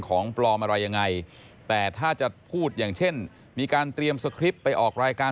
ของปลอมอะไรยังไงแต่ถ้าจะพูดอย่างเช่นมีการเตรียมสคริปต์ไปออกรายการ